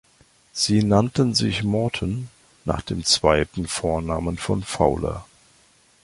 Sie nannten sich "Morton" nach dem zweiten Vornamen von Fowler.